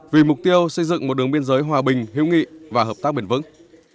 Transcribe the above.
vì mục tiêu xây dựng một đường biên giới hòa bình hữu nghị và hợp tác bền vững